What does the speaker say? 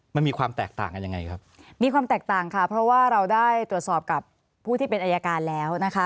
มันมีความแตกต่างกันยังไงครับมีความแตกต่างค่ะเพราะว่าเราได้ตรวจสอบกับผู้ที่เป็นอายการแล้วนะคะ